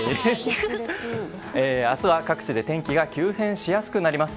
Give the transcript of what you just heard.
明日は各地で天気が急変しやすくなります。